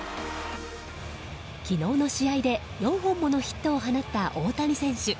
昨日の試合で４本ものヒットを放った大谷翔平選手。